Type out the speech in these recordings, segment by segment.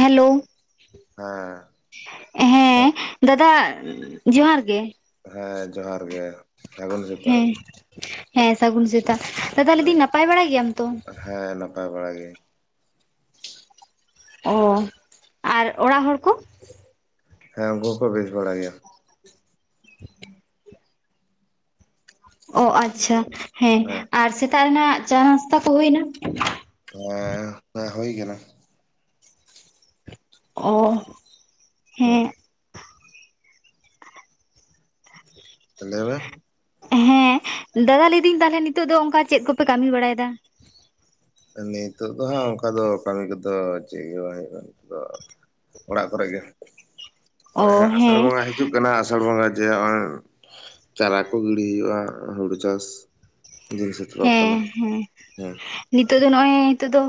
Hello ᱦᱮᱸ ᱦᱮᱸ ᱫᱟᱫᱟ ᱡᱚᱦᱟᱨ ᱜᱮ ᱦᱮᱸ ᱡᱚᱦᱟᱨ ᱜᱮ ᱥᱟᱹᱜᱩᱱ ᱥᱮᱛᱟᱜ ᱦᱮᱸ ᱦᱮᱸ ᱥᱟᱹᱜᱩᱱ ᱥᱮᱛ ᱫᱟᱫᱟ ᱞᱟᱹᱭ ᱦᱮᱸ ᱫᱤᱧ ᱱᱟᱯᱟᱭ ᱵᱟᱲᱟᱭ ᱜᱮᱭᱟᱢ ᱛᱚ ᱠᱷᱟᱹᱞᱤ ᱚ ᱟᱨ ᱚᱲᱟᱜ ᱦᱚᱲ ᱠᱚ ᱦᱮᱸ ᱩᱱᱠᱩ ᱦᱚᱸᱠᱚ ᱵᱮᱥ ᱵᱟᱲᱟ ᱜᱮᱭᱟ ᱠᱷᱟᱹᱞᱤ ᱚ ᱟᱪᱪᱷᱟ ᱦᱮᱸ ᱟᱨ ᱥᱮᱛᱟᱜ ᱨᱮᱱᱟᱜ ᱪᱟ ᱱᱟᱥᱛᱟ ᱠᱚ ᱦᱩᱭᱮᱱᱟ ᱦᱮᱸ ᱦᱮᱸ ᱦᱩᱭ ᱠᱟᱱᱟ ᱚ ᱦᱮᱸ ᱠᱷᱟᱹᱞᱤ [unintelligible] ᱦᱮᱸ ᱫᱟᱫᱟ ᱞᱟᱹᱭ ᱫᱟᱹᱧ ᱛᱟᱦᱞᱮ ᱱᱤᱛᱚᱜ ᱫᱚ ᱚᱱᱠᱟ ᱪᱮᱫ ᱠᱚᱯᱮ ᱠᱟᱹᱢᱤ ᱵᱟᱲᱟᱭᱮᱫᱟ ᱱᱤᱛᱚᱜ ᱫᱚ ᱦᱟᱸᱜ ᱚᱱᱠᱟ ᱫᱚ ᱠᱟᱹᱢᱤ ᱠᱚᱫᱚ ᱪᱮᱫ ᱜᱮ ᱵᱟᱝ ᱦᱩᱭᱩᱜ ᱠᱟᱱᱟ ᱱᱤᱛᱚᱜ ᱫᱚ ᱚᱲᱟᱜ ᱠᱚᱨᱮᱜ ᱜᱮ ᱚ ᱱᱚᱜᱼᱚᱭ ᱦᱟᱹᱜ ᱟᱥᱟᱲ ᱦᱮᱸ ᱵᱚᱸᱜᱟ ᱦᱤᱡᱩᱜ ᱠᱟᱱᱟ ᱟᱥᱟᱲ ᱵᱚᱸᱜᱟ ᱡᱮᱜ ᱪᱟᱨᱟ ᱠᱚ ᱜᱤᱲᱤ ᱦᱩᱭᱩᱜᱼᱟ ᱦᱩᱲᱩ ᱪᱟᱥ ᱫᱤᱱ ᱥᱮᱴᱮᱨᱚᱜ ᱦᱮᱸ ᱠᱟᱱᱟ ᱦᱮᱸ ᱦᱮᱸ ᱱᱤᱛᱚᱜ ᱫᱚ ᱱᱚᱜ ᱚᱚᱭ ᱱᱤᱛᱚᱜᱜ ᱫᱚ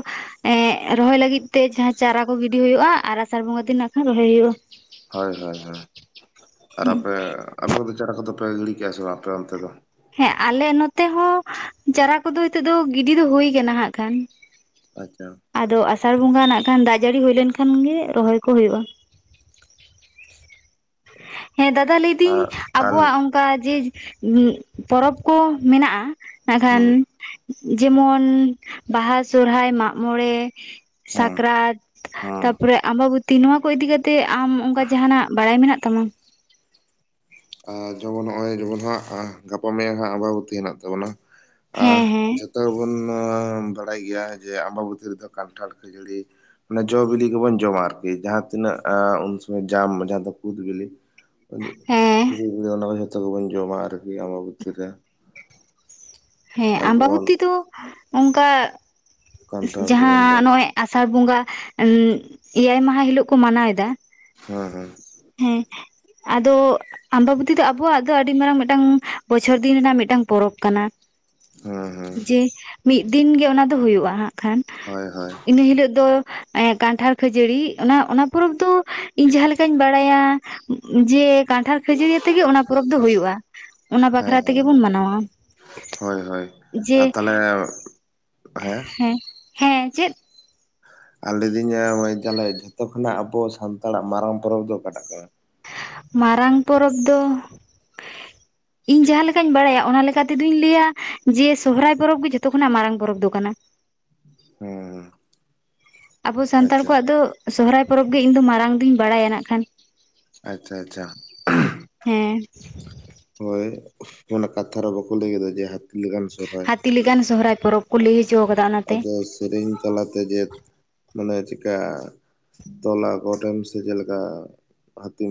ᱮᱸ ᱨᱚᱦᱚᱭ ᱞᱟᱹᱜᱤᱫ ᱛᱮ ᱡᱟᱦᱟᱸ ᱪᱟᱨᱟ ᱠᱚ ᱜᱤᱰᱤ ᱦᱩᱭᱩᱜᱼᱟ ᱟᱨ ᱟᱥᱟᱲ ᱵᱚᱸᱜᱟ ᱫᱤᱱ ᱱᱟᱜ ᱠᱷᱟᱱ ᱨᱚᱦᱚᱭ ᱦᱩᱭᱩᱜᱼᱟ ᱦᱳᱭ ᱦᱳᱭ ᱦᱳᱭ ᱟᱨ ᱟᱯᱮ [unintelligible] ᱟᱯᱮ ᱜᱤᱲᱤ ᱠᱮᱜᱟ ᱥᱮ ᱵᱟᱝ ᱟᱯᱮ ᱚᱱᱛᱮ ᱫᱚ ᱦᱮᱸ ᱟᱞᱮ ᱱᱚᱛᱮ ᱦᱚᱸ ᱪᱟᱨᱟ ᱠᱚᱫᱚ ᱱᱤᱛᱚᱜ ᱫᱚ ᱜᱤᱰᱤ ᱫᱚ ᱦᱩᱭ ᱠᱟᱱᱟ ᱦᱟᱜ ᱠᱷᱟᱱ ᱟᱪᱪᱷᱟ ᱟᱫᱚ ᱟᱥᱟᱲ ᱵᱚᱸᱜᱟ ᱱᱟᱜ ᱠᱷᱟᱱ ᱫᱟᱜ ᱡᱟᱹᱲᱤ ᱦᱩᱭ ᱞᱮᱱᱠᱷᱟᱱ ᱜᱮ ᱨᱚᱦᱚᱭ ᱠᱚ ᱦᱩᱭᱩᱜᱼᱟ ᱦᱮᱸ ᱫᱟᱫᱟ ᱞᱟᱹᱭᱫᱟᱹᱧ ᱟᱨ ᱟᱨ ᱟᱵᱚᱣᱟᱜ ᱚᱱᱠᱟ ᱡᱮ ᱯᱚᱨᱚᱵᱽ ᱠᱚ ᱢᱮᱱᱟᱜᱼᱟ ᱢᱮᱱᱠᱷᱟᱱ ᱦᱩᱸ ᱡᱮᱢᱚᱱ ᱵᱟᱦᱟ ᱥᱚᱨᱦᱟᱭ ᱢᱟᱜᱢᱚᱬᱮ ᱦᱩᱸ ᱥᱟᱠᱨᱟᱛ ᱦᱩᱸ ᱛᱟᱯᱚᱨᱮ ᱟᱢᱟᱵᱚᱛᱤ ᱱᱚᱣᱟᱠᱩ ᱤᱫᱤ ᱠᱟᱛᱮ ᱟᱢ ᱚᱱᱠᱟ ᱡᱟᱦᱟᱸᱱᱟᱜ ᱵᱟᱲᱟᱭ ᱢᱮᱱᱟᱜ ᱛᱟᱢᱟ ᱟᱨ ᱡᱮᱢᱚᱱ ᱱᱚᱜᱼᱚᱭ ᱡᱮᱢᱚᱱ ᱦᱟᱸᱜ ᱜᱟᱯᱟ ᱢᱮᱭᱟᱝ ᱦᱟᱸᱜ ᱟᱵᱟᱵᱚᱛᱤ ᱦᱮᱱᱟᱜ ᱛᱟᱵᱚᱱᱟ ᱦᱮᱸ ᱦᱮᱸ [unintelligible] ᱡᱚᱛᱚ ᱜᱮ ᱵᱚᱱ ᱵᱟᱲᱟᱭ ᱜᱮᱭᱟ ᱡᱮ ᱟᱢᱟᱵᱩᱛᱤ ᱨᱮᱫᱚ ᱠᱟᱱᱴᱷᱟᱲ ᱠᱷᱟᱹᱡᱟᱹᱲᱤ ᱢᱟᱱᱮ ᱡᱚ ᱵᱤᱞᱤ ᱠᱚᱵᱚᱱ ᱡᱚᱢᱟ ᱟᱨᱠᱤ ᱡᱟᱦᱟᱸ ᱛᱤᱱᱟᱹᱜ ᱟ ᱩᱱ ᱥᱚᱢᱚᱭ ᱡᱟᱢ ᱡᱟᱦᱟᱸ ᱫᱚ ᱠᱩᱫ ᱵᱤᱞᱤ ᱦᱮᱸ [unintelligible] ᱚᱱᱟ ᱢᱟ ᱡᱷᱳᱛᱚ ᱠᱚᱵᱚᱱ ᱡᱚᱢᱟ ᱟᱨᱠᱤ ᱟᱢᱟᱵᱚᱛ ᱨᱮ ᱦᱮᱸ ᱟᱨ ᱡᱮᱢᱚᱱ ᱟᱢᱟᱵᱩᱛᱤ ᱫᱚ ᱱᱚᱝᱠᱟ ᱠᱟᱱᱴᱷᱟᱲ ᱠᱚᱵᱚᱱ ᱡᱟᱦᱟᱸ ᱡᱚᱢ ᱱᱚᱜᱚᱭ ᱟᱥ ᱟᱥᱟᱲ ᱵᱚᱸᱜᱟ ᱮᱭᱟᱭ ᱢᱟᱦᱟ ᱦᱤᱞᱚᱜ ᱠᱚ ᱢᱟᱱᱟᱣ ᱮᱫᱟ ᱦᱮᱸ ᱦᱮᱸ ᱦᱮᱸ ᱟᱫᱚ ᱟᱢᱟᱵᱚᱛᱤ ᱫᱚ ᱟᱵᱚᱣᱟᱜ ᱫᱚ ᱟᱹᱰᱤ ᱢᱟᱨᱟᱝ ᱢᱤᱫᱴᱟᱝ ᱵᱚᱪᱷᱚᱨ ᱫᱤᱱ ᱨᱮᱱᱟᱜ ᱢᱤᱫᱴᱟᱝ ᱯᱚᱨᱚᱵᱽ ᱠᱟᱱᱟ ᱦᱮᱸ ᱦᱮᱸ ᱡᱮ ᱢᱤᱫ ᱫᱤᱱᱜ ᱜᱮ ᱚᱱᱟ ᱫᱚ ᱦᱩᱭᱩᱜᱼᱟ ᱦᱟᱜ ᱠᱷᱟᱱ ᱦᱳᱭ ᱦᱳᱭ ᱤᱱᱟᱹ ᱦᱤᱞᱳᱜ ᱫᱚ ᱠᱟᱱᱴᱷᱟᱲ ᱠᱷᱟᱹᱡᱟᱹᱲᱤ ᱚᱱᱟ ᱚᱱᱟ ᱯᱚᱨᱚᱵᱽ ᱫᱚ ᱤᱧ ᱡᱟᱦᱟᱸ ᱞᱮᱠᱟᱧ ᱵᱟᱲᱟᱭᱟ ᱡᱮ ᱠᱟᱱᱴᱷᱟᱲ ᱠᱷᱟᱹᱡᱟᱹᱲᱤᱭᱟᱹ ᱛᱮᱜᱮ ᱚᱱᱟ ᱯᱚᱨᱚᱵᱽ ᱫᱚ ᱦᱩᱭᱩᱜᱼᱟ ᱚᱱᱟ ᱦᱮᱸ ᱵᱟᱠᱷᱨᱟ ᱛᱮᱜᱮ ᱵᱚᱱ ᱢᱟᱱᱟᱣᱟ ᱳᱭ ᱡᱮ ᱟᱨ ᱛᱟᱦᱚᱞᱮ ᱦᱮᱸ ᱦᱮᱸ ᱪᱮᱫ ᱟᱨ ᱞᱟᱹᱭᱫᱟᱹᱧ ᱛᱟᱞᱮ ᱡᱷᱚᱛᱚ ᱠᱷᱚᱱᱟᱜ ᱟᱵᱚ ᱥᱟᱱᱛᱟᱲᱟᱜ ᱢᱟᱨᱟᱝ ᱯᱚᱨᱚᱵᱽ ᱫᱚ ᱚᱠᱟᱴᱟᱜ ᱠᱟᱱᱟ ᱢᱟᱨᱟᱝ ᱯᱚᱨᱚᱵᱽ ᱫᱚ ᱤᱧ ᱡᱟᱦᱟᱸ ᱞᱮᱠᱟᱧ ᱵᱟᱲᱟᱭᱟ ᱚᱱᱟ ᱞᱮᱠᱟ ᱛᱮᱫᱚᱧ ᱞᱟᱹᱭᱟ ᱡᱮ ᱥᱚᱦᱚᱨᱟᱭ ᱯᱚᱨᱚᱵᱽ ᱜᱮ ᱡᱷᱚᱛᱚ ᱠᱷᱚᱱᱟᱜ ᱢᱟᱨᱟᱝ ᱯᱚᱨᱚᱵᱽ ᱫᱚ ᱠᱟᱱᱟ [inaudible] ᱦᱮᱸ ᱟᱵᱚ ᱥᱟᱱᱛᱟᱲ ᱟᱪᱪᱷᱟ ᱠᱚᱣᱟᱜ ᱫᱚ ᱥᱚᱦᱨᱟᱭ ᱯᱚᱨᱚᱵ ᱜᱮ ᱤᱧᱫᱚ ᱢᱟᱨᱟᱝ ᱫᱩᱧ ᱵᱟᱲᱟᱭᱟ ᱱᱟᱜ ᱠᱷᱟᱱ ᱟᱪᱪᱷᱟ ᱟᱪᱪᱷᱟ ᱦᱮᱸ ᱠᱟᱛᱷᱟ ᱨᱮ ᱵᱟᱠᱚ ᱞᱟᱹᱭ ᱠᱮᱫᱟ ᱡᱮ ᱞᱮᱠᱟᱱ ᱥᱚᱨᱦᱟᱭ ᱦᱟᱹᱛᱤ ᱞᱮᱠᱟᱱ ᱥᱚᱦᱨᱟᱭ ᱯᱚᱨᱚᱵ ᱠᱚ ᱞᱟᱹᱭ ᱦᱚᱪᱚ ᱟᱠᱟᱫᱟ ᱚᱱᱟᱛᱮ ᱟᱫᱚ ᱥᱮᱨᱮᱧ ᱛᱟᱞᱟᱛᱮ ᱡᱮ ᱢᱟᱱᱮ ᱪᱤᱠᱟᱹ ᱫᱚᱞᱟ ᱜᱚᱴᱟᱱ ᱥᱮ ᱪᱮᱞᱮᱠᱟ ᱦᱟᱸᱛᱤ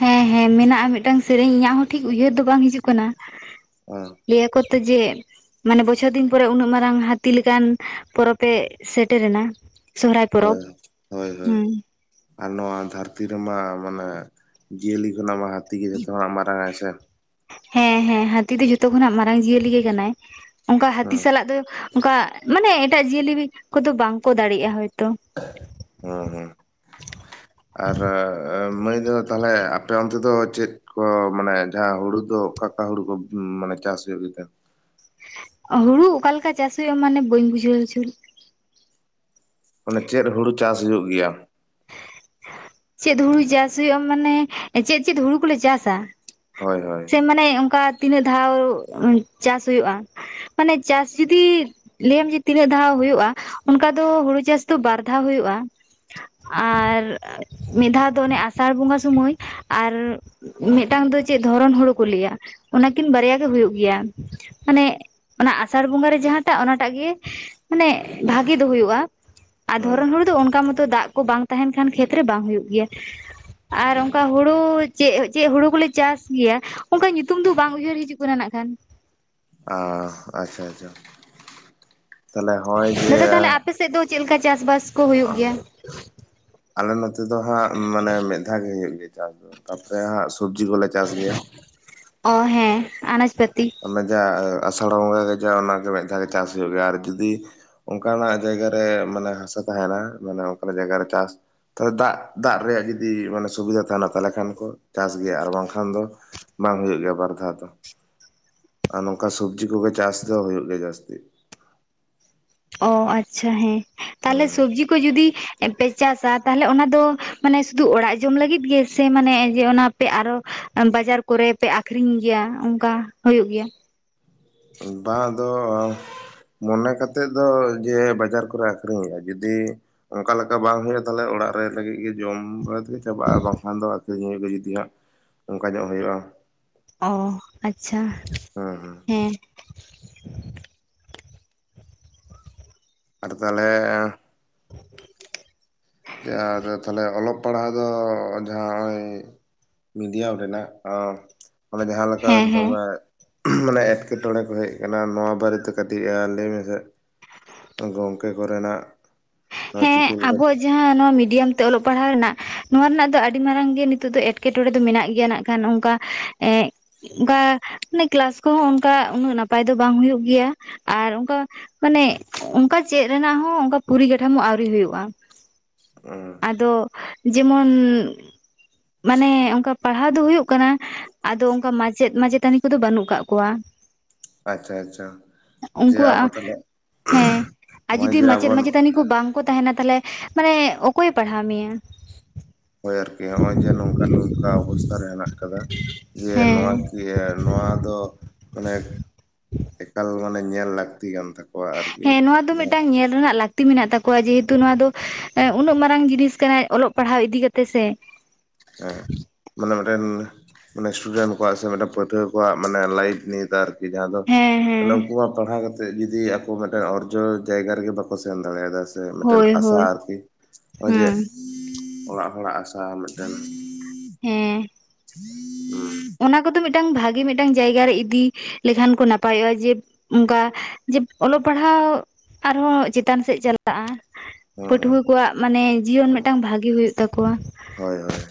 ᱦᱮᱸ ᱦᱮᱸ ᱢᱮᱱᱟᱜᱼᱟ ᱢᱤᱫᱴᱟᱝ ᱥᱮᱨᱮᱧ ᱤᱧᱟᱹᱜ ᱦᱚᱸ ᱴᱷᱤᱠ ᱩᱭᱦᱟᱹᱨ ᱫᱚ ᱵᱟᱝ ᱦᱤᱡᱩᱜ ᱠᱟᱱᱟ ᱦᱮᱸ ᱞᱟᱹᱭᱟᱠᱚ ᱛᱚ ᱡᱮ ᱢᱟᱱᱮ ᱵᱚᱪᱷᱚᱨ ᱫᱤᱱ ᱯᱚᱨᱮ ᱩᱱᱟᱹᱜ ᱢᱟᱨᱟᱝ ᱦᱟᱹᱛᱤ ᱞᱮᱠᱟᱱ ᱯᱚᱨᱚᱵᱽ ᱮ ᱥᱮᱴᱮᱨᱮᱱᱟ ᱥᱚᱦᱨᱟᱭ ᱯᱚᱨᱚᱵᱽ ᱦᱳᱭ ᱦᱳᱭ ᱦᱳᱭ ᱟᱨ ᱱᱚᱣᱟ ᱫᱷᱟᱹᱨᱛᱤ ᱨᱮᱢᱟ ᱢᱟᱱᱮ ᱡᱤᱭᱟᱹᱞᱤ ᱠᱷᱚᱱᱟᱜ ᱢᱟ ᱦᱟ ᱦᱟᱹᱛᱤ ᱜᱮ ᱡᱷᱚᱛᱚᱠᱷᱚᱱ ᱢᱟᱨᱟᱝ ᱟᱭ ᱥᱮ ᱦᱮᱸ ᱦᱮᱸ ᱦᱟᱹᱛᱤ ᱫᱚ ᱡᱷᱚᱛᱚ ᱠᱷᱚᱱᱟᱜ ᱢᱟᱨᱟᱝ ᱡᱤᱭᱟᱹᱞᱤ ᱜᱮ ᱠᱟᱱᱟᱭ ᱚᱱᱠᱟ ᱦᱟᱹᱛᱤ ᱦᱮᱸ ᱥᱟᱞᱟᱜ ᱫᱚ ᱚᱱᱠᱟ ᱢᱟᱱᱮ ᱮᱴᱟᱜ ᱡᱤᱭᱟᱹᱞᱤ ᱠᱚᱫᱚ ᱵᱟᱝᱠᱚ ᱫᱟᱲᱮᱭᱟᱜᱼᱟᱭ ᱦᱩᱸ ᱦᱮᱸ ᱟᱨ ᱢᱟᱹᱭ ᱫᱚ ᱛᱟᱦᱚᱞᱮ ᱟᱯᱮ ᱚᱱᱛᱮ ᱫᱚ ᱪᱮᱫ ᱠᱚ ᱢᱟᱱᱮ ᱡᱟᱦᱟᱸ ᱦᱩᱲᱩ ᱫᱚ ᱚᱠᱟ ᱚᱠᱟ ᱦᱳᱲᱩ ᱠᱚ ᱢᱟᱱᱮ ᱪᱟᱥ ᱦᱩᱭᱩᱜ ᱜᱮᱛᱮ ᱦᱩᱲᱩ ᱚᱠᱟᱞᱮᱠᱟ ᱪᱟᱥ ᱦᱩᱭᱩᱜᱼᱟ ᱢᱟᱱᱮ ᱵᱟᱹᱧ ᱵᱩᱡᱷᱟᱹᱣ ᱦᱚᱪᱚ ᱢᱟᱱᱮ ᱪᱮᱫ ᱦᱩᱲᱩ ᱪᱟᱥ ᱦᱩᱭᱩᱜ ᱜᱮᱭᱟ ᱪᱮᱫ ᱦᱩᱲᱩ ᱪᱟᱥ ᱦᱩᱭᱩᱜᱼᱟ ᱢᱟᱱᱮ ᱪᱮᱫ ᱪᱮᱫ ᱦᱩᱲᱩ ᱠᱚᱞᱮ ᱪᱟᱥᱟ ᱦᱳᱭ ᱦᱳᱭ ᱥᱮ ᱢᱟᱱᱮ ᱚᱱᱠᱟ ᱛᱤᱱᱟᱹᱜ ᱫᱷᱟᱣ ᱪᱟᱥ ᱦᱳᱜᱼᱟ ᱢᱟᱱᱮ ᱪᱟᱥ ᱡᱩᱫᱤ ᱞᱟᱹᱭᱟᱢ ᱡᱮ ᱛᱤᱱᱟᱹᱜ ᱫᱷᱟᱣ ᱦᱩᱭᱩᱜᱭᱼᱟ ᱚᱱᱠᱟ ᱫᱚ ᱦᱩᱲᱩ ᱪᱟᱥ ᱫᱚ ᱵᱟᱨ ᱫᱷᱟᱣ ᱦᱩᱭᱩᱜᱼᱟ ᱟᱨ ᱢᱤᱫ ᱫᱷᱟᱣ ᱫᱚ ᱚᱱᱮ ᱟᱥᱟᱲ ᱵᱚᱸᱜᱟ ᱥᱚᱢᱚᱭ ᱟᱨ ᱢᱤᱫᱴᱟᱝ ᱫᱚ ᱪᱮᱫ ᱫᱷᱚᱨᱚᱱ ᱦᱩᱲᱩ ᱠᱚ ᱞᱟᱹᱭᱟ ᱚᱱᱟ ᱠᱤᱱ ᱵᱟᱨᱭᱟ ᱜᱮ ᱦᱩᱭᱩᱜ ᱜᱮᱭᱟ ᱢᱟᱱᱮ ᱚᱱᱟ ᱟᱥᱟᱲ ᱵᱚᱸᱜᱟ ᱨᱮ ᱡᱟᱦᱟᱸ ᱚᱱᱟᱴᱟᱜ ᱚᱱᱟᱴᱟᱜ ᱜᱮ ᱢᱟᱱᱮ ᱵᱷᱟᱜᱤ ᱫᱚ ᱦᱩᱭᱩᱜᱼᱟ ᱟᱨ ᱫᱷᱚᱨᱚᱱ ᱦᱚᱲ ᱫᱚ ᱚᱱᱠᱟ ᱢᱚᱛᱚ ᱫᱟᱜ ᱠᱚ ᱵᱟᱝ ᱛᱟᱦᱮᱱ ᱠᱷᱟᱱ ᱠᱷᱮᱛᱨᱮ ᱵᱟᱝ ᱦᱩᱭᱩᱜ ᱜᱮᱭᱟ ᱟᱨ ᱚᱱᱠᱟ ᱦᱩᱲᱩ ᱪᱮᱫ ᱪᱮᱫ ᱦᱩᱲᱩ ᱠᱚᱞᱮ ᱪᱟᱥ ᱴᱷᱤᱠ ᱜᱮᱭᱟ ᱚᱱᱠᱟ ᱧᱩᱛᱩᱢ ᱫᱚ ᱵᱟᱝ ᱩᱭᱦᱟᱹᱨ ᱦᱤᱡᱩᱜ ᱠᱟᱱᱟ ᱱᱟᱜ ᱠᱷᱟᱱ ᱚ ᱟᱪᱪᱷᱟ ᱟᱪᱪᱷᱟ ᱛᱟᱦᱞᱮ ᱦᱚᱜᱼᱚᱭ ᱡᱮ ᱫᱟᱫᱟ ᱛᱟᱦᱞᱮ ᱟᱯᱮ ᱥᱮᱫ ᱫᱚ ᱪᱮᱫ ᱞᱮᱠᱟ ᱪᱟᱥᱵᱟᱥ ᱠᱚ ᱦᱩᱭᱩᱜ ᱜᱮᱭᱟ ᱟᱞᱮ ᱱᱚᱛᱮ ᱫᱚ ᱦᱟᱸᱜ ᱢᱟᱱᱮ ᱢᱤᱫ ᱫᱷᱟᱣ ᱜᱮ ᱦᱩᱭᱩᱜ ᱜᱮᱭᱟ ᱪᱟᱥ ᱫᱚ ᱛᱟᱨᱯᱚᱨᱮ ᱦᱟᱸᱜ ᱥᱚᱵᱽᱡᱤ ᱠᱚᱞᱮ ᱪᱟᱥ ᱜᱮᱭᱟ ᱚ ᱦᱮᱸ ᱟᱱᱟᱡ ᱯᱟᱹᱛᱤ ᱚᱱᱟ ᱡᱟ ᱟᱥᱟᱲ ᱵᱚᱸᱜᱟ ᱠᱟᱡᱟ ᱚᱱᱟᱜᱮ ᱢᱤᱫ ᱫᱷᱟᱣ ᱜᱮ ᱪᱟᱥ ᱦᱩᱭᱩᱜ ᱜᱮᱭᱟ ᱟᱨ ᱡᱩᱫᱤ ᱚᱱᱠᱟᱱᱟᱜ ᱡᱟᱭᱜᱟ ᱨᱮ ᱢᱟᱱᱮ ᱦᱟᱥᱟ ᱛᱟᱦᱮᱱᱟ ᱢᱟᱱᱮ ᱚᱱᱠᱟ ᱡᱟᱭᱜᱟ ᱨᱮ ᱪᱟᱥ ᱛᱟᱦᱚᱞᱮ ᱫᱟᱜ ᱫᱟᱜ ᱨᱮᱭᱟᱜ ᱡᱩᱫᱤ ᱢᱟᱱᱮ ᱥᱩᱵᱤᱫᱟ ᱛᱟᱦᱮᱱᱟ ᱛᱟᱦᱚᱞᱮ ᱠᱷᱟᱱ ᱪᱟᱥ ᱜᱮᱭᱟ ᱟᱨ ᱵᱟᱝᱠᱷᱟᱱ ᱫᱚ ᱵᱟᱝ ᱦᱩᱭᱩᱜ ᱜᱮᱭᱟ ᱵᱟᱨ ᱫᱷᱟᱣ ᱫᱚ ᱟᱨ ᱱᱚᱝᱠᱟ ᱥᱚᱵᱡᱤ ᱠᱚᱜᱮ ᱪᱟᱥ ᱫᱚ ᱦᱩᱭᱩᱜ ᱜᱮᱭᱟ ᱡᱟᱹᱥᱛᱤ ᱚ ᱟᱪᱪᱷᱟ ᱦᱮᱸ ᱛᱟᱦᱚᱞᱮ ᱦᱮᱸ ᱥᱚᱵᱡᱤ ᱠᱚ ᱡᱩᱫᱤ ᱯᱮ ᱪᱟᱥᱟ ᱛᱟᱦᱞᱮ ᱚᱱᱟ ᱫᱚ ᱢᱟᱱᱮ ᱥᱩᱫᱩ ᱚᱲᱟᱜ ᱡᱚᱢ ᱞᱟᱹᱜᱤᱫ ᱜᱮᱥᱮ ᱢᱟᱱᱮ ᱚᱱᱟ ᱯᱮ ᱟᱨᱚ ᱵᱟᱡᱟᱨ ᱠᱚᱨᱮ ᱯᱮ ᱟᱠᱷᱨᱤᱧ ᱜᱮᱭᱟ ᱚᱱᱠᱟ ᱦᱩᱭᱩᱜ ᱜᱮᱭᱟ ᱵᱟᱝ ᱫᱚ ᱢᱚᱱᱮ ᱠᱟᱛᱮᱫ ᱫᱚ ᱡᱮ ᱵᱟᱡᱟᱨ ᱠᱚᱨᱮ ᱟᱠᱷᱨᱤᱧ ᱦᱳᱭᱳᱜ ᱟ ᱡᱩᱫᱤ ᱚᱱᱠᱟ ᱞᱮᱠᱟ ᱵᱟᱝ ᱦᱩᱭᱩᱜᱼᱟ ᱛᱟᱦᱚᱞᱮ ᱚᱲᱟᱜ ᱚᱲᱟᱜ ᱨᱮ ᱞᱟᱹᱜᱤᱫ ᱜᱮ ᱡᱚᱢ ᱵᱟᱲᱟ ᱛᱮ ᱪᱟᱵᱟᱜᱼᱟ ᱵᱟᱝᱠᱷᱟᱱ ᱫᱚ ᱟᱹᱠᱷᱨᱤᱧ ᱦᱩᱭᱩᱜᱼᱟ ᱡᱩᱫᱤ ᱦᱟᱸᱜ ᱚᱱᱠᱟ ᱧᱚᱜ ᱦᱩᱭᱩᱜᱼᱟ ᱚ ᱟᱪᱪᱷᱟ ᱦᱮᱸ ᱟᱴ ᱛᱟᱦᱚᱞᱮ ᱪᱟ ᱨᱮ ᱛᱟᱦᱚᱞᱮ ᱚᱞᱚᱯ ᱯᱟᱲᱦᱟᱣ ᱫᱚ ᱡᱟᱦᱟᱸ ᱱᱚᱜᱼᱚᱭ ᱢᱤᱰᱤᱭᱟᱢ ᱨᱮᱱᱟᱜ ᱚ ᱢᱟᱱᱮ ᱡᱟᱦᱟᱸ ᱞᱮᱠᱟ ᱦᱮᱸ ᱦᱮᱸ ᱛᱚᱵᱮ ᱢᱟᱱᱮ ᱮᱸᱴᱠᱮᱴᱚᱬᱮ ᱠᱚ ᱦᱮᱡ ᱠᱟᱱᱟ ᱱᱚᱣᱟ ᱵᱟᱨᱮᱛᱮ ᱠᱟᱹᱴᱤᱡ ᱞᱟᱹᱭ ᱢᱮᱥᱮ ᱜᱚᱝᱠᱮ ᱠᱚᱨᱮᱱᱟᱜ ᱱᱚᱣᱟ ᱪᱤᱠᱤ ᱦᱮᱸ ᱟᱜᱩ ᱠᱟᱛᱮ ᱟᱵᱚᱣᱟᱜ ᱡᱟᱦᱟᱸ ᱱᱚᱣᱟ ᱢᱤᱰᱤᱭᱟᱢ ᱛᱮ ᱚᱞᱚᱜ ᱯᱟᱲᱦᱟᱣ ᱨᱮᱱᱟᱜ ᱱᱚᱣᱟ ᱨᱮᱱᱟᱜ ᱫᱚ ᱟᱹᱰᱤ ᱢᱟᱨᱟᱝ ᱜᱮ ᱱᱤᱛᱚᱜ ᱫᱚ ᱮᱴᱠᱮᱴᱚᱬᱮ ᱫᱚ ᱢᱮᱱᱟᱜ ᱜᱮᱭᱟ ᱱᱟᱜ ᱠᱷᱟᱱ ᱚᱱᱠᱟ ᱮᱜ ᱚᱱᱠᱟ ᱢᱟᱱᱮ ᱠᱮᱞᱟᱥ ᱠᱚᱦᱚᱸ ᱚᱱᱠᱟ ᱩᱱᱟᱹᱜ ᱱᱟᱯᱟᱭ ᱫᱚ ᱵᱟᱝ ᱦᱩᱭᱩᱜᱭ ᱜᱮᱭᱟ ᱟᱨ ᱚᱱᱠᱟ ᱢᱟᱱᱮ ᱚᱱᱠᱟ ᱪᱮᱫ ᱨᱮᱱᱟᱜ ᱦᱚᱸ ᱚᱱᱠᱟ ᱯᱚᱨᱤᱠᱟᱴᱷᱟᱢᱚ ᱟᱹᱣᱨᱤ ᱦᱩᱭᱩᱜᱼᱟ ᱟᱫᱚ ᱡᱮᱢᱚᱱ ᱢᱟᱱᱮ ᱚᱱᱠᱟ ᱯᱟᱲᱦᱟᱣ ᱫᱚ ᱦᱩᱭᱩᱜ ᱠᱟᱱᱟ ᱟᱫᱚ ᱚᱱᱠᱟ ᱢᱟᱪᱮᱫ ᱢᱟᱪᱮᱛᱟᱱᱤ ᱠᱚᱫᱚ ᱵᱟᱹᱱᱩᱜ ᱠᱟᱜ ᱠᱚᱣᱟ ᱟᱪᱪᱷᱟ ᱟᱪᱪᱷᱟ ᱡᱮ ᱟᱵᱚ ᱩᱱᱠᱩᱣᱟᱜ ᱛᱟᱦᱚᱞᱮ ᱦᱮᱸ ᱟᱨ ᱱᱚᱜᱼᱚᱭ ᱡᱩᱫᱤ ᱡᱮ ᱢᱟᱪᱮᱫ ᱟᱵᱚᱱ ᱢᱟᱪᱮᱛᱟᱱᱤ ᱠᱚ ᱵᱟᱝ ᱵᱟᱝ ᱠᱚ ᱛᱟᱦᱮᱱᱟ ᱛᱟᱦᱞᱮ ᱢᱟᱱᱮ ᱚᱠᱚᱭ ᱯᱟᱲᱦᱟᱣ ᱢᱮᱭᱟ ᱦᱳᱭ ᱟᱨᱠᱤ ᱱᱚᱜᱼᱚᱭ ᱡᱮ ᱱᱚᱝᱠᱟ ᱱᱚᱝᱠᱟ ᱚᱵᱚᱥᱛᱷᱟ ᱨᱮ ᱦᱮᱱᱟᱜ ᱟᱠᱟᱫᱟ ᱡᱮ ᱦᱮᱸ ᱱᱚᱣᱟ ᱠᱤ ᱱᱚᱣᱟ ᱫᱚ ᱢᱟᱱᱮ ᱮᱠᱟᱞ ᱢᱟᱱᱮ ᱧᱮᱞ ᱞᱟᱹᱠᱛᱤ ᱠᱟᱱ ᱛᱟᱠᱚᱣᱟ ᱟᱨᱠᱤ ᱦᱮᱸ ᱱᱚᱶᱟ ᱫᱚ ᱢᱤᱫᱴᱟᱝ ᱡᱟᱦᱟᱸ ᱧᱮᱞ ᱨᱮᱱᱟᱜ ᱞᱟᱠ ᱞᱟᱹᱠᱛᱤ ᱢᱮᱱᱟᱜ ᱛᱟᱠᱚᱣᱟ ᱡᱮᱦᱮᱛᱩ ᱱᱚᱣᱟ ᱫᱚ ᱩᱱᱟᱹᱜ ᱢᱟᱨᱟᱝ ᱡᱤᱱᱤᱥ ᱠᱟᱱᱟ ᱚᱞᱚᱜ ᱯᱟᱲᱦᱟᱣ ᱤᱫᱤ ᱠᱟᱛᱮᱜ ᱥᱮ ᱦᱮᱸ ᱢᱟᱱᱮ ᱱᱚᱰᱮ ᱢᱟᱱᱮ ᱥᱴᱩᱰᱮᱱᱴ ᱠᱚᱣᱟᱜ ᱥᱮ ᱢᱤᱫᱴᱟᱱ ᱯᱟᱹᱴᱷᱩᱣᱟᱹ ᱠᱚᱣᱟᱜ ᱢᱟᱱᱮ ᱞᱟᱭᱤᱯᱷ ᱱᱤᱭᱟᱨ ᱡᱟᱦᱟᱸ ᱫᱚ ᱦᱮᱸ ᱢᱟᱱᱮ ᱦᱮᱸ ᱩᱱᱠᱩᱣᱟᱜ ᱯᱟᱲᱦᱟᱣ ᱠᱟᱛᱮᱫ ᱡᱩᱫᱤ ᱟᱠᱚ ᱢᱤᱫᱴᱮᱱ ᱚᱨᱡᱚ ᱡᱟᱭᱜᱟ ᱨᱮᱜᱮ ᱵᱟᱠᱚ ᱥᱮᱱ ᱫᱟᱲᱮᱭᱟᱫᱟ ᱥᱮ ᱢᱤᱫᱴᱮᱱ ᱦᱳᱭ ᱟᱥᱟ ᱦᱳᱭ ᱟᱨᱠᱤ ᱱᱚᱜᱼᱚᱭ ᱡᱮ ᱦᱩᱸ ᱚᱲᱟᱜ ᱦᱚᱲᱟᱜ ᱟᱥᱟ ᱨᱟᱱ ᱦᱮᱸ [unintelligible] ᱚᱱᱟ ᱠᱚ ᱢᱤᱫᱴᱟᱝ ᱵᱷᱟᱜᱤ ᱢᱤᱫᱴᱟᱝ ᱡᱟᱭᱜᱟ ᱨᱮ ᱤᱫᱤ ᱞᱮᱠᱷᱟᱱ ᱠᱚ ᱱᱟᱯᱟᱭᱚᱜᱼᱟ ᱡᱮ ᱚᱱᱠᱟ ᱡᱮ ᱚᱞᱚᱜ ᱯᱟᱲᱦᱟᱜ ᱯᱟᱲᱦᱟᱣ ᱟᱨᱦᱚᱸ ᱪᱮᱛᱟᱱ ᱥᱮᱫ ᱪᱟᱞᱟᱜᱼᱟ ᱦᱮᱸ ᱦᱮᱸ ᱯᱟᱹᱴᱷᱩᱣᱟᱹ ᱠᱚᱣᱟᱜ ᱢᱟᱱᱮ ᱡᱤᱭᱚᱱ ᱢᱤᱫᱴᱟᱝ ᱵᱷᱟᱜᱮ ᱦᱩᱭᱩᱜ ᱛᱟᱠᱚᱣᱟ ᱦᱳᱭ ᱦᱳᱭ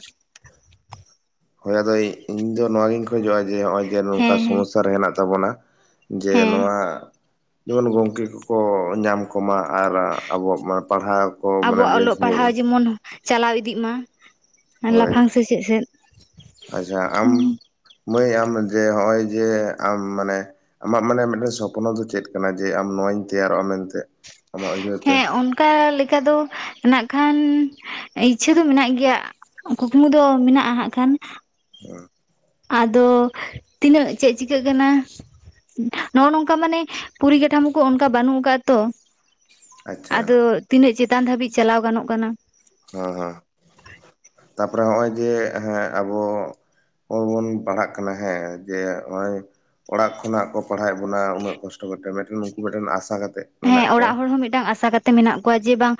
ᱦᱳᱭ ᱟᱫᱚ ᱤᱧ ᱫᱚ ᱱᱚᱣᱟ ᱜᱤᱧ ᱠᱷᱚᱡᱚᱜᱼᱟ ᱡᱮ ᱱᱚᱜᱼᱚᱭ ᱡᱮ ᱱᱚᱝᱠᱟ ᱦᱮᱸ ᱦᱮᱸ ᱥᱚᱢᱚᱥᱥᱟ ᱨᱮ ᱦᱮᱱᱟᱜ ᱛᱟᱵᱚᱱᱟ ᱡᱮ ᱦᱮᱸ ᱱᱚᱣᱟ ᱡᱮᱢᱚᱱ ᱜᱚᱢᱠᱮ ᱠᱚᱠᱚ ᱧᱟᱢ ᱠᱚᱢᱟ ᱟᱨ ᱟᱵᱚᱣᱟᱜ ᱯᱟᱲᱦᱟᱣ ᱠᱚ ᱢᱟᱱᱮ ᱟᱵᱚᱣᱟᱜ ᱵᱮᱥ ᱚᱞᱚᱜ ᱧᱚᱜ ᱯᱟᱲᱦᱟᱣ ᱡᱮᱢᱚᱱ ᱪᱟᱞᱟᱣ ᱤᱫᱤᱜ ᱢᱟ ᱟᱨ ᱦᱳᱭ ᱞᱟᱯᱷᱟᱝ ᱥᱮᱪᱮᱫ ᱥᱮᱫ ᱟᱪᱪᱷᱟ ᱟᱢ ᱦᱩᱸ ᱢᱟᱹᱭ ᱟᱢ ᱡᱮ ᱦᱚᱜ-ᱚᱭ ᱡᱮ ᱟᱢ ᱢᱟᱱᱮ ᱟᱢᱟᱜ ᱢᱟᱱᱮ ᱢᱤᱫᱴᱮᱱ ᱥᱚᱯᱱᱚ ᱫᱚ ᱪᱮᱫ ᱠᱟᱱᱟ ᱡᱮ ᱟᱢ ᱱᱚᱣᱟᱧ ᱛᱮᱭᱟᱨᱚᱜᱼᱟ ᱢᱮᱱᱛᱮ ᱟᱢᱟᱜ ᱩᱭᱦᱟᱹᱨ ᱛᱮ ᱦᱮᱸ ᱚᱱᱠᱟ ᱞᱮᱠᱟ ᱫᱚ ᱱᱟᱜ ᱠᱷᱟᱱ ᱤᱪᱪᱷᱟᱹ ᱦᱚ ᱢᱮᱱᱟᱜ ᱜᱮᱭᱟ ᱠᱩᱠᱢᱩ ᱫᱚ ᱢᱮᱱᱟᱜᱼᱟ ᱦᱟᱸᱜ ᱠᱷᱟᱱ ᱦᱮᱸ ᱟᱫᱚ ᱛᱤᱱᱟᱹᱜ ᱪᱮᱫ ᱪᱤᱠᱟᱹᱜ ᱠᱟᱱᱟ ᱱᱚᱜᱼᱚ ᱱᱚᱝᱠᱟ ᱢᱟᱱᱮ ᱯᱚᱨᱤ ᱠᱟᱴᱷᱟᱢ ᱠᱚ ᱚᱱᱠᱟ ᱵᱟᱹᱱᱩᱜ ᱟᱠᱟᱜ ᱫᱚ ᱟᱪᱪᱷᱟ ᱟᱫᱚ ᱛᱤᱱᱟᱹᱜ ᱪᱮᱛᱟᱱ ᱫᱷᱟᱹᱵᱤᱡ ᱪᱟᱞᱟᱣ ᱜᱟᱱᱚᱜ ᱠᱟᱱᱟ [unintelligible] ᱛᱟᱯᱚᱨᱮ ᱦᱚᱜᱼᱚᱭ ᱡᱮ ᱦᱮᱸ ᱟᱵᱚ [unintelligible] ᱵᱚᱱ ᱯᱟᱲᱦᱟᱜ ᱠᱟᱱᱟ ᱦᱮᱸ ᱡᱮ ᱦᱚᱜᱼᱚᱭ ᱚᱲᱟᱜ ᱠᱷᱚᱱᱟᱜ ᱠᱚ ᱯᱟᱲᱦᱟᱣᱮᱫ ᱵᱚᱱᱟ ᱩᱱᱟᱹᱜ ᱠᱚᱥᱴᱚ ᱠᱟᱛᱮ ᱢᱤᱫᱴᱮᱱ ᱩᱱᱠᱩ ᱢᱤᱫᱴᱮᱱ ᱟᱥᱟ ᱠᱟᱛᱮ ᱦᱮᱸ ᱚᱲᱟᱜ ᱦᱚᱸ ᱢᱤᱫᱴᱟᱝ ᱟᱥᱟ ᱠᱟᱛᱮ ᱢᱮᱱᱟᱜ ᱠᱚᱣᱟ ᱡᱮ ᱵᱟᱝ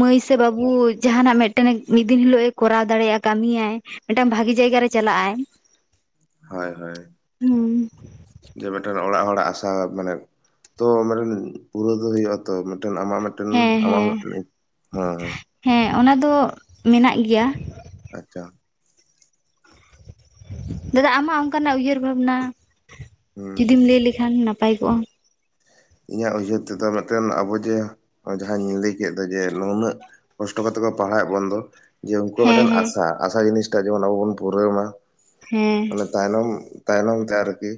ᱢᱟᱹᱭ ᱥᱮ ᱵᱟᱹᱵᱩ ᱡᱟᱦᱟᱱᱟᱜ ᱢᱮᱜᱴᱮᱱᱮ ᱢᱤᱫ ᱫᱤᱱ ᱦᱤᱞᱳᱜ ᱮ ᱠᱚᱨᱟᱣ ᱫᱟᱲᱮᱭᱟᱜᱼᱟ ᱠᱟᱹᱢᱤᱭᱟᱭ ᱢᱤᱫᱴᱟᱝ ᱵᱷᱟᱜᱤ ᱡᱟᱭᱜᱟ ᱡᱟᱭᱜᱟᱨᱮᱭ ᱪᱟᱞᱟᱜᱼ ᱟᱭ ᱦᱚᱸᱭ ᱦᱚᱸᱭ ᱦᱩᱸ ᱡᱮ ᱵᱮᱴᱟ ᱚᱲᱟᱜ ᱦᱚᱲᱟᱜ ᱟᱥᱟ ᱢᱟᱱᱮ ᱛᱚ ᱢᱮᱜᱴᱮᱱ ᱯᱩᱨᱟᱹᱣ ᱫᱚ ᱦᱩᱭᱩᱜᱼᱟ ᱛᱚ [unintelligible] ᱟᱢᱟᱜ ᱢᱮᱜᱴᱮᱱ ᱦᱮᱸ ᱟᱢᱟᱜ ᱦᱮᱸ ᱦᱚᱸ ᱢᱮᱜᱴᱮᱱ [unintelligible] ᱦᱮᱸ ᱚᱱᱟ ᱫᱚ ᱢᱮᱱᱟᱜ ᱜᱮᱭᱟ ᱟᱪᱪᱟ ᱫᱟᱫᱟ ᱟᱢᱟᱜ ᱚᱱᱠᱟᱱᱟᱜ ᱩᱭᱦᱟᱹᱨ ᱵᱷᱟᱵᱱᱟ ᱦᱩᱸ ᱡᱩᱫᱤᱢ ᱞᱟᱹᱭ ᱞᱮᱠᱷᱟᱱ [unintelligible] ᱱᱟᱯᱟᱭ ᱠᱚᱜᱼᱟ ᱤᱧᱟᱹᱜ ᱩᱭᱦᱟᱹᱨ ᱛᱮᱫᱚ ᱢᱤᱫᱴᱮᱱ ᱟᱵᱚ ᱡᱮ ᱦᱚᱸᱜᱚᱭ ᱡᱟᱦᱟᱸᱧ ᱞᱟᱹᱭ ᱠᱮᱫ ᱫᱚ ᱡᱮ ᱱᱩᱱᱟᱹᱜ ᱠᱚᱥᱴᱚ ᱠᱟᱛᱮ [unintelligible] ᱯᱟᱲᱦᱟᱣᱮᱫ ᱵᱚᱱᱫᱚ ᱡᱮ ᱩᱱᱠᱩᱣᱟᱜ ᱦᱮᱸ ᱢᱤᱫᱴᱮᱱ ᱦᱮᱸ ᱟᱥᱟ ᱟᱥᱟ ᱡᱤᱱᱤᱥᱴᱟ ᱡᱮᱢᱚᱱ ᱟᱵᱚ ᱵᱚᱱ ᱯᱩᱨᱟᱹᱣ ᱢᱟ ᱦᱮᱸ [unintelligible] ᱛᱟᱭᱱᱚᱢ ᱛᱟᱭᱱᱚᱢ ᱛᱮ ᱟᱨᱠᱤ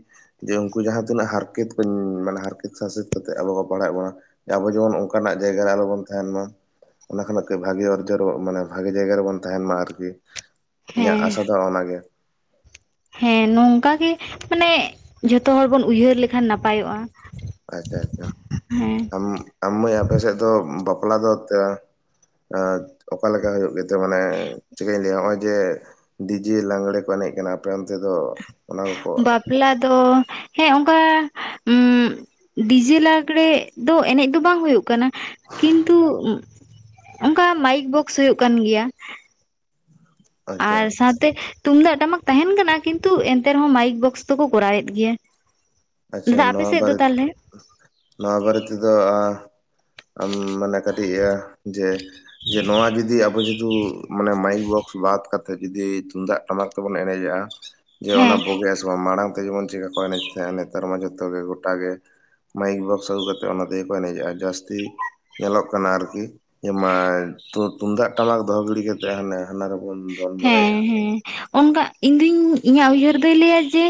ᱡᱮ ᱩᱱᱠᱩ ᱡᱟᱦᱟᱸ ᱛᱤᱱᱟᱹᱜ ᱦᱟᱨᱠᱮᱛ [unintelligible] [unintelligible] ᱥᱟᱥᱮᱛ ᱠᱟᱛᱮᱜ ᱟᱵᱚ ᱠᱚ ᱯᱟᱲᱦᱟᱣᱮᱫ ᱵᱚᱱᱟ ᱟᱵᱚ ᱡᱮᱢᱚᱱ ᱚᱱᱠᱟᱱᱟᱜ ᱡᱟᱭᱜᱟ ᱨᱮ ᱟᱞᱚ ᱵᱚᱱ ᱛᱟᱦᱮᱱ ᱢᱟ ᱚᱱᱟ ᱠᱷᱚᱱᱟᱜ [unintelligible] ᱵᱷᱟᱜᱤ ᱚᱨᱡᱚ [unintelligible] ᱢᱟᱱᱮ ᱵᱷᱟᱜᱮ ᱡᱟᱭᱜᱟ ᱨᱮᱵᱚᱱ ᱛᱟᱦᱮᱱ ᱢᱟ ᱟᱨᱠᱤ ᱤᱧᱟᱹᱜ ᱦᱮᱸ ᱟᱥᱟ ᱫᱚ ᱚᱱᱟᱜᱮ ᱦᱮᱸ ᱱᱚᱝᱠᱟᱜᱮ ᱢᱟᱱᱮ ᱡᱷᱚᱛᱚ ᱦᱚᱲ ᱵᱚᱱ ᱩᱭᱦᱟᱹᱨ ᱞᱮᱠᱷᱟᱱ ᱱᱟᱯᱟᱭᱚᱜᱼᱟ ᱟᱪᱪᱷᱟ ᱟᱪᱪᱷᱟ ᱦᱮᱸ ᱟᱢ ᱟᱢ ᱢᱟᱹᱭ ᱟᱯᱮ ᱥᱮᱫ ᱫᱚ ᱵᱟᱯᱞᱟ ᱫᱚ [unintelligible] ᱚᱠᱟᱞᱮᱠᱟ ᱦᱩᱭᱩᱜ ᱜᱮᱛᱮ ᱢᱟᱱᱮ ᱪᱮᱠᱟᱹᱧ ᱞᱟᱹᱭᱟ ᱦᱚᱸᱜᱚᱭ ᱡᱮ ᱰᱤᱡᱮ ᱞᱟᱜᱽᱲᱮ ᱠᱚ ᱮᱱᱮᱡ ᱮᱱᱮᱡ ᱠᱟᱱᱟ ᱟᱯᱮ ᱚᱱᱛᱮ ᱫᱚ ᱚᱱᱟ ᱠᱚᱠᱚ ᱵᱟᱯᱞᱟ ᱫᱚ ᱦᱮᱸ ᱚᱱᱠᱟ ᱰᱤᱡᱮ ᱞᱟᱜᱽᱲᱮ ᱫᱚ ᱮᱱᱮᱡ ᱫᱚ ᱵᱟᱝ ᱦᱩᱭᱩᱜ ᱠᱟᱱᱟ ᱠᱤᱱᱛᱩ ᱚᱱᱠᱟ ᱢᱟᱭᱤᱠ ᱵᱚᱠᱥ ᱦᱩᱭᱩᱜ ᱠᱟᱱ ᱜᱮᱭᱟ ᱟᱪᱪᱷᱟ ᱟᱨ ᱥᱟᱶᱛᱮ ᱛᱩᱢᱫᱟᱜ ᱴᱟᱢᱟᱠ ᱛᱟᱦᱮᱱ ᱠᱟᱱᱟ ᱠᱤᱱᱛᱩ ᱮᱱᱛᱮ ᱨᱮᱦᱚᱸ ᱢᱟᱭᱤᱠ ᱵᱚᱠᱥ ᱫᱚᱠᱚ ᱠᱚᱨᱟᱣᱮᱫ ᱜᱮᱭᱟ ᱟᱪᱪᱷᱟ ᱫᱟᱫᱟ ᱟᱯᱮ ᱱᱚᱣᱟ ᱥᱮᱫ ᱫᱚ ᱵᱟᱨᱮ ᱛᱟᱦᱚᱞᱮ ᱱᱚᱣᱟ ᱵᱟᱨᱮ ᱛᱮᱫᱚ ᱟᱢ ᱢᱟᱱᱮ ᱠᱟᱹᱴᱤᱡ ᱡᱮ ᱡᱮ ᱱᱚᱣᱟ ᱡᱩᱫᱤ ᱟᱵᱚ ᱡᱩᱫᱤ ᱢᱟᱱᱮ ᱢᱟᱭᱤᱠ ᱵᱚᱠᱥ ᱵᱟᱫ ᱠᱟᱛᱮᱫ ᱡᱩᱫᱤ ᱛᱩᱢᱫᱟᱜ ᱴᱟᱢᱟᱠ ᱛᱮᱵᱚᱱ ᱮᱱᱮᱡᱟ ᱡᱮ ᱚᱱᱟ ᱦᱮᱸ ᱵᱚᱜᱮᱼᱟ ᱥᱮ ᱵᱟᱝ ᱢᱟᱲᱟᱝ ᱡᱮᱢᱚᱱ ᱪᱮᱠᱟ ᱠᱚ ᱮᱱᱮᱡ ᱛᱟᱦᱮᱫ ᱱᱮᱛᱟᱨ ᱢᱟ ᱡᱚᱛᱚ ᱜᱮ ᱜᱚᱴᱟ ᱜᱮ ᱢᱟᱭᱤᱠ ᱵᱚᱠᱥ ᱟᱹᱜᱩ ᱠᱟᱛᱮᱫ ᱚᱱᱟᱛᱮ ᱜᱮᱠᱚ ᱮᱱᱮᱡᱮᱜᱼᱟ ᱡᱟᱹᱥᱛᱤ ᱧᱮᱞᱚᱜ ᱠᱟᱱᱟ ᱟᱨᱠᱤ [unintelligible] ᱛᱩᱢᱫᱟᱜ ᱴᱟᱢᱟᱠ ᱫᱚᱦᱚ ᱜᱤᱲᱤ ᱠᱟᱛᱮᱜ ᱦᱟᱱᱮ ᱦᱟᱱᱟ [unintelligible] ᱵᱚᱱ ᱫᱚᱱ ᱦᱮᱸ ᱵᱟᱲᱟᱭᱮᱜᱼᱟ ᱦᱮᱸ ᱚᱱᱠᱟ ᱤᱧᱫᱩᱧ ᱤᱧᱟᱹᱜ ᱩᱭᱦᱟᱹᱨ ᱫᱚᱭ ᱞᱟᱹᱭᱟ ᱡᱮ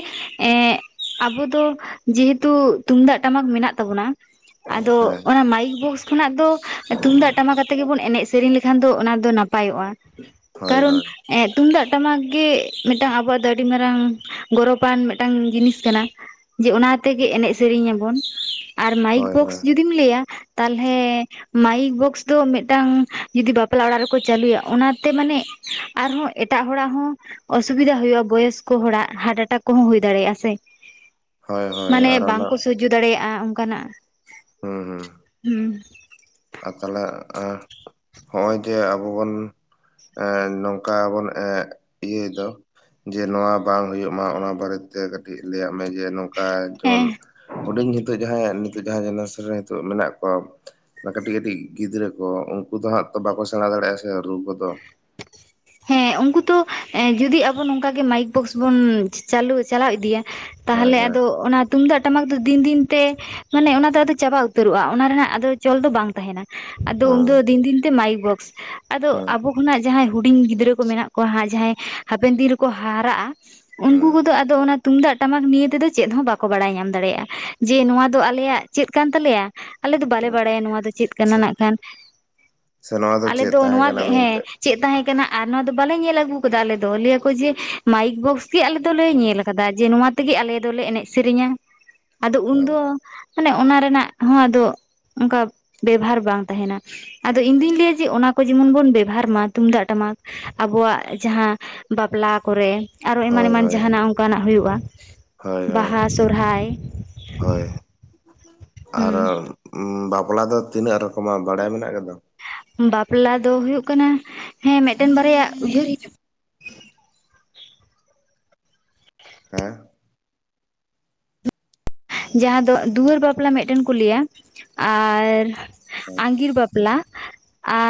ᱟᱵᱚ ᱫᱚ ᱡᱮᱦᱮᱛᱩ ᱛᱩᱢᱫᱟᱜ ᱴᱟᱢᱟᱠ ᱢᱮᱱᱟᱜ ᱛᱟᱵᱚᱱᱟ ᱟᱫᱚ ᱦᱮᱸ ᱚᱱᱟ ᱢᱟᱭᱤᱠ ᱵᱚᱠᱥ ᱠᱷᱚᱱᱟᱜ ᱫᱚ ᱛᱩᱢᱫᱟᱜ ᱴᱟᱢᱟᱠᱟᱛᱮ ᱜᱮᱵᱚᱱ ᱮᱱᱮᱡ ᱥᱮᱨᱮᱧ ᱞᱮᱠᱷᱟᱱ ᱫᱚ ᱚᱱᱟ ᱫᱚ ᱱᱟᱯᱟᱭᱚᱜᱼᱟ ᱦᱳᱭ ᱠᱟᱨᱚᱱ ᱦᱳᱭ ᱛᱩᱢᱫᱟᱜ ᱴᱟᱢᱟᱠ ᱜᱮ ᱢᱤᱫᱴᱟᱝ ᱟᱵᱚᱣᱟᱜ ᱫᱚ ᱟᱹᱰᱤ ᱢᱟᱨᱟᱝ ᱜᱚᱨᱚᱵᱟᱱ ᱢᱤᱫᱴᱟᱝ ᱡᱤᱱᱤᱥ ᱠᱟᱱᱟ ᱡᱮ ᱚᱱᱟ ᱛᱮᱜᱮ ᱮᱱᱮᱡ ᱥᱮᱨᱮᱧ ᱧᱟᱵᱚᱱ ᱟᱨ ᱢᱟᱭᱤᱠ ᱦᱳᱭ ᱵᱚᱠᱥ ᱦᱳᱭ ᱡᱩᱫᱤᱢ ᱞᱟᱹᱭᱟ ᱛᱟᱦᱚᱞᱮ ᱢᱟᱭᱤᱠ ᱵᱚᱠᱥ ᱫᱚ ᱢᱤᱫᱴᱟᱝ ᱡᱩᱫᱤ ᱵᱟᱯᱞᱟ ᱚᱲᱟᱜ ᱨᱮᱠᱚ ᱪᱟᱹᱞᱩᱭᱟ ᱚᱱᱟᱛᱮ ᱢᱟᱱᱮ ᱟᱨᱦᱚᱸ ᱮᱴᱟᱜ ᱦᱚᱲᱟᱜ ᱦᱚᱸ ᱚᱥᱩᱵᱤᱫᱟ ᱦᱩᱭᱩᱜᱼᱟ ᱵᱚᱭᱚᱥᱠᱚ ᱦᱚᱲᱟᱜ ᱦᱟᱴᱦᱟᱴᱟᱠ ᱠᱚᱦᱚᱸ ᱦᱩᱭ ᱫᱟᱲᱮᱭᱟᱜᱼᱟ ᱥᱮ ᱦᱳᱭ ᱦᱳᱭ ᱢᱟᱱᱮ ᱟᱨ ᱚᱱᱟ ᱵᱟᱝᱠᱚ ᱥᱟᱡᱡᱚ ᱫᱟᱲᱮᱭᱟᱜᱼᱟ ᱚᱱᱠᱟᱱᱟᱜ ᱦᱩᱸ ᱦᱩᱸ ᱦᱩᱸ ᱟᱨ ᱛᱟᱦᱚᱞᱮ ᱦᱚᱸᱜᱼᱚᱭ ᱡᱮ ᱟᱵᱚ ᱵᱚᱱ ᱱᱚᱝᱠᱟ ᱵᱚᱱ ᱤᱭᱟᱹᱭ ᱫᱚ ᱡᱮ ᱱᱚᱣᱟ ᱵᱟᱝ ᱦᱩᱭᱩᱜ ᱢᱟ ᱚᱱᱟ ᱵᱟᱨᱮᱛᱮ ᱠᱟᱹᱴᱤᱡ ᱞᱟᱹᱭᱟᱜ ᱢᱮ ᱡᱮ ᱱᱚᱝᱠᱟ ᱡᱮᱢᱚᱱ ᱦᱮᱸ ᱦᱩᱰᱤᱧ ᱱᱤᱛᱚᱜ ᱡᱟᱦᱟᱸᱭ ᱱᱤᱛᱚᱜ ᱡᱟᱦᱟᱸ ᱡᱮᱨᱮᱥᱚᱱ ᱨᱮ ᱱᱤᱛᱚᱜ ᱢᱮᱱᱟᱜ ᱠᱟᱜ ᱠᱚᱣᱟ ᱠᱟᱹᱴᱤᱡ ᱠᱟᱹᱴᱤᱡ ᱜᱤᱫᱽᱨᱟᱹ ᱠᱚ ᱩᱱᱠᱩ ᱫᱚ ᱦᱟᱸᱜ ᱛᱚ ᱵᱟᱠᱚ ᱥᱮᱬᱟ ᱫᱟᱲᱮᱭᱟᱜᱼᱟ ᱥᱮ ᱨᱩ ᱠᱚᱫᱚ ᱦᱮᱸ ᱩᱱᱠᱩ ᱛᱚ ᱡᱚᱫᱤ ᱟᱵᱚ ᱱᱚᱝᱠᱟᱜᱮ ᱢᱟᱭᱤᱠ ᱵᱚᱠᱥ ᱵᱩᱱ ᱪᱩ ᱪᱟᱞᱟᱣ ᱤᱫᱤᱭᱟ ᱦᱳᱭ ᱛᱟᱦᱚᱞᱮ ᱦᱳᱭ ᱟᱫᱚ ᱚᱱᱟ ᱛᱩᱢᱫᱟᱜ ᱴᱟᱢᱟᱠ ᱫᱤᱱ ᱫᱤᱱ ᱛᱮ ᱢᱟᱱᱮ ᱚᱱᱟ ᱫᱚ ᱟᱫᱚ ᱪᱟᱵᱟ ᱩᱛᱟᱹᱨᱚᱜᱼᱟ ᱚᱱᱟ ᱨᱮᱱᱟᱜ ᱟᱫᱚ ᱪᱚᱞ ᱫᱚ ᱵᱟᱝ ᱛᱟᱦᱮᱱᱟ ᱟᱫᱚ ᱩᱱᱫᱚ ᱦᱮᱸ ᱫᱤᱱ ᱫᱤᱱᱛᱮ ᱢᱟᱭᱤᱠ ᱵᱚᱠᱥ ᱟᱫᱚ ᱦᱮᱸ ᱟᱵᱚ ᱠᱷᱚᱱᱟᱜ ᱡᱟᱦᱟᱸᱭ ᱦᱩᱰᱤᱧ ᱜᱤᱫᱽᱨᱟᱹ ᱠᱚ ᱢᱮᱱᱟᱜ ᱠᱚᱣᱟ ᱦᱟᱸᱜ ᱡᱟᱦᱟᱸᱭ ᱦᱟᱵᱮᱱ ᱫᱤᱱ ᱨᱮᱠᱚ ᱦᱟᱨᱟᱜᱼᱟ᱾ ᱩᱱᱠᱩ ᱦᱮᱸ ᱠᱚᱫᱚ ᱟᱫᱚ ᱚᱱᱟ ᱛᱩᱢᱫᱟᱜ ᱴᱟᱢᱟᱠ ᱱᱤᱭᱟᱹ ᱛᱮᱫᱚ ᱪᱮᱫ ᱦᱚᱸ ᱵᱟᱠᱚ ᱵᱟᱲᱟᱭ ᱧᱟᱢ ᱫᱟᱲᱮᱭᱟᱜᱼᱟ᱾ ᱡᱮ ᱱᱚᱣᱟ ᱫᱚ ᱟᱞᱮᱭᱟᱜ ᱪᱮᱫ ᱠᱟᱱ ᱛᱟᱞᱮᱭᱟ? ᱟᱞᱮ ᱫᱚ ᱵᱟᱞᱮ ᱦᱮᱸ ᱵᱟᱲᱟᱭᱟ ᱱᱚᱣᱟ ᱫᱚ ᱪᱮᱫ ᱠᱟᱱᱟ᱾ ᱥᱮ ᱱᱟᱜ ᱠᱷᱟᱱ ᱥᱮ ᱱᱚᱣᱟ ᱟᱞᱮ ᱪᱮᱫ ᱫᱚ ᱛᱟᱦᱮᱸ ᱱᱚᱣᱟ ᱠᱟᱱᱟ ᱜᱮ ᱦᱮᱸ ᱢᱮᱱᱛᱮ ᱪᱮᱫ ᱛᱟᱦᱮᱸ ᱠᱟᱱᱟ ᱟᱨ ᱱᱚᱣᱟ ᱫᱚ ᱵᱟᱞᱮ ᱧᱮᱞ ᱟᱹᱜᱩ ᱟᱠᱟᱫᱟ᱾ ᱟᱞᱮ ᱫᱚ ᱞᱟᱹᱭ ᱟᱠᱚ ᱡᱮ ᱢᱟᱭᱤᱠ ᱵᱚᱠᱥ ᱜᱮ ᱟᱞᱮ ᱫᱚᱞᱮ ᱧᱮᱞ ᱟᱠᱟᱫᱟ ᱡᱮ ᱱᱚᱣᱟ ᱛᱮ ᱟᱞᱮ ᱫᱚᱞᱮ ᱮᱱᱮᱡ ᱥᱮᱨᱮᱧᱟ᱾ ᱟᱫᱚ ᱦᱮᱸ ᱩᱱᱫᱚ ᱢᱟᱱᱮ ᱚᱱᱟ ᱨᱮᱱᱟᱜ ᱦᱚᱸ ᱫᱚ ᱚᱱᱠᱟ ᱵᱮᱵᱦᱟᱨ ᱵᱟᱝ ᱛᱟᱦᱮᱱᱟ ᱟᱫᱚ ᱤᱧ ᱫᱩᱧ ᱞᱟᱹᱭᱟ ᱡᱮ ᱚᱱᱟ ᱠᱚ ᱡᱮᱢᱚᱱ ᱵᱚᱱ ᱵᱮᱵᱷᱟᱨ ᱢᱟ ᱛᱩᱢᱫᱟᱜ ᱴᱟᱢᱟᱠ ᱟᱵᱚᱣᱟᱜ ᱡᱟᱦᱟᱸ ᱵᱟᱯᱞᱟ ᱠᱚᱨᱮ ᱟᱨᱦᱚ ᱮᱢᱟᱱ ᱦᱳᱭ ᱮᱢᱟᱱ ᱦᱳᱭ ᱡᱟᱦᱟᱸᱱᱟᱜ ᱚᱱᱠᱟᱱᱟᱜ ᱦᱩᱭᱩᱜ ᱦᱳᱭ ᱦᱳᱭ ᱦᱳᱭ᱾ ᱟᱨ ᱦᱩᱸ ᱵᱟᱯᱞᱟ ᱫᱚ ᱛᱤᱱᱟᱹᱜ ᱨᱚᱠᱚᱢᱟᱜ ᱵᱟᱲᱟᱭ ᱢᱮᱱᱟᱜ ᱜᱮᱫᱚ᱾ ᱵᱟᱯᱞᱟ ᱫᱚ ᱦᱩᱭᱩᱜ ᱠᱟᱱᱟ ᱦᱮᱸ ᱢᱤᱫᱴᱟ. ᱝ ᱵᱟᱨᱭᱟ ᱩᱭᱦᱟᱹᱨ ᱦᱩᱡᱩᱜ ᱦᱮᱸ᱾ ᱡᱟᱦᱟᱸ ᱫᱚ ᱫᱩᱣᱟᱹᱨ ᱵᱟᱯᱞᱟ ᱢᱤᱫᱴᱟ. ᱝ ᱠᱚ ᱞᱟᱹᱭᱟ ᱟᱨ ᱟᱸᱜᱤᱨ ᱵᱟᱯᱞᱟ᱾ ᱵᱟᱯᱞᱟ ᱟᱨ